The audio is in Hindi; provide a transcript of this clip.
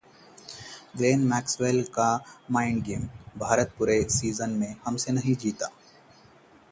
ग्लेन मैक्सवेल का 'माइंडगेम', भारत पूरे सीजन में हमसे नहीं जीता